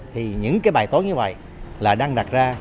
thì những cái bài tốn như vậy là đang đặt ra